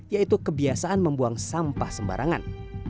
yaitu kebiasaan membuang sampah sembarangan